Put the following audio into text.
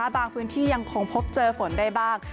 บางพื้นที่ยังคงพบเจอฝนได้บ้าง